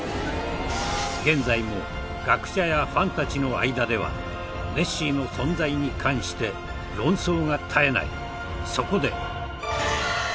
現在も学者やファンたちの間ではネッシーの存在に関して論争が絶えない。